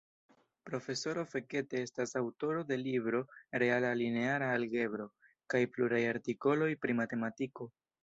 Profesoro Fekete estas aŭtoro de libro Reala Lineara Algebro kaj pluraj artikoloj pri matematiko.